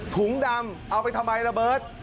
ถุงดำเอาไปทำไมระเบิร์ต